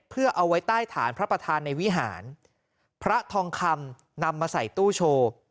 เพื่อเอาไว้ใต้ฐานพระประธานในวิหารพระทองคำนำมาใส่ตู้โชว์